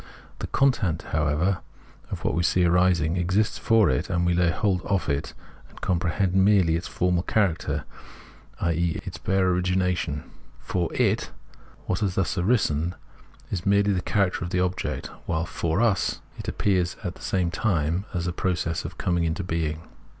The content, however, of what we see arising, exists for it, and we lay hold of and com prehend merely its formal character, i.e. its hare origina tion ; for it, what has thus arisen has merely the character of object, while, for us, it appears at the same time as a process and coming into being.